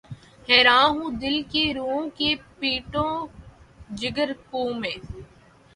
حیراں ہوں‘ دل کو روؤں کہ‘ پیٹوں جگر کو میں